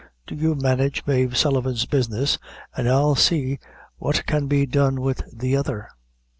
Do you manage Mave Sullivan's business, and I'll see what can be done with the other.